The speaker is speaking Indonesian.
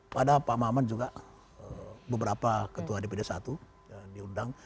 pada pak maman juga beberapa ketua dpd satu yang diundang